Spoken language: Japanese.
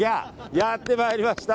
やってまいりました。